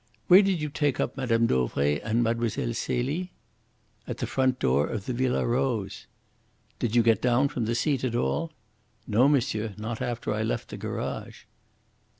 "Where did you take up Mme. Dauvray and Mlle. Celie?" "At the front door of the Villa Rose." "Did you get down from the seat at all?" "No, monsieur; not after I left the garage."